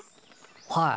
はい。